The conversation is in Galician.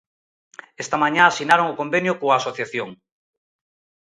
Esta mañá asinaron o convenio coa asociación.